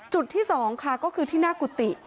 จุดที่๒ค่ะก็คือที่หน้ากุฏิ